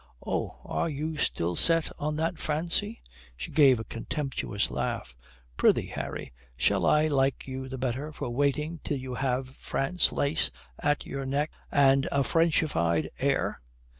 "Oh, are you still set on that fancy?" She gave a contemptuous laugh. "Prithee, Harry, shall I like you the better for waiting till you have French lace at your neck and a frenchified air?"